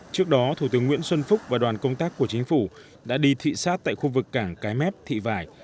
trước đó thủ tướng nguyễn xuân phúc và đoàn công tác của chính phủ đã đi thị xát tại khu vực cảng cái mép thị vải